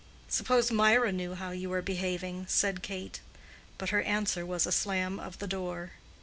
"Suppose Mirah knew how you are behaving," said Kate. But her answer was a slam of the door.